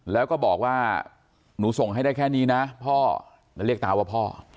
แล้วก็บอกว่าหนูส่งให้ได้แค่นี้นะพ่อเรียกตาว่าพ่อ